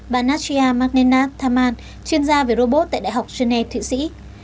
bà nadia magnenat thaman chuyên gia về robot tại đại học genet thị sĩ